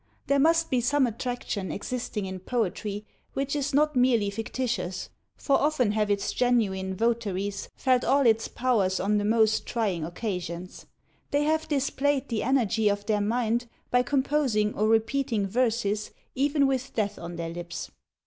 There must be some attraction existing in poetry which is not merely fictitious, for often have its genuine votaries felt all its powers on the most trying occasions. They have displayed the energy of their mind by composing or repeating verses, even with death on their lips.